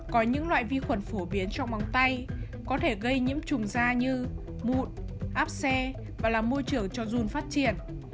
có những loại vi khuẩn phổ biến trong móng tay có thể gây nhiễm trùng da như mụn áp xe và làm môi trường cho dùn phát triển